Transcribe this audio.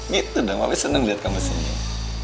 gitu dong papi seneng liat kamu senyum